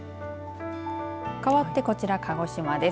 かわって、こちら、鹿児島です。